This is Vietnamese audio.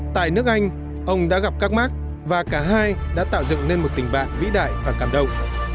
tại nước anh ông đã gặp các mark và cả hai đã tạo dựng nên một tình bạn vĩ đại và cảm động